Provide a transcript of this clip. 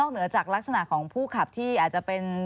เหนือจากลักษณะของผู้ขับที่อาจจะเป็น